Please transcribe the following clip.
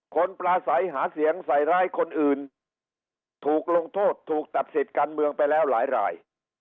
ปลาใสหาเสียงใส่ร้ายคนอื่นถูกลงโทษถูกตัดสิทธิ์การเมืองไปแล้วหลายราย